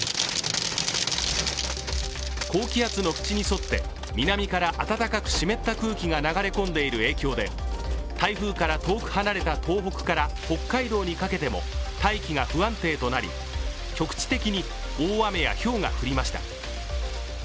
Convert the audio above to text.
高気圧の縁に沿って南から暖かく湿った空気が流れ込んでいる影響で台風から遠く離れた東北から北海道にかけても大気が不安定となり、局地的に大雨やひょうが降りました。